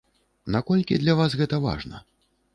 Наколькі для вас гэта важна?